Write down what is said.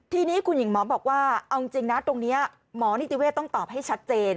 ทีนี้คุณหญิงหมอบอกว่าเอาจริงนะตรงนี้หมอนิติเวศต้องตอบให้ชัดเจน